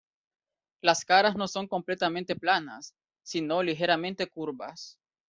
Las caras no son completamente planas, si no ligeramente curvas.